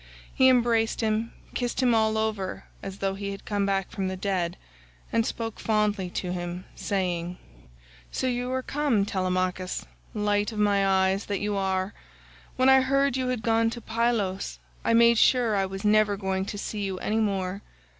He embraced him, kissed him all over as though he had come back from the dead, and spoke fondly to him saying: "So you are come, Telemachus, light of my eyes that you are. When I heard you had gone to Pylos I made sure I was never going to see you any more.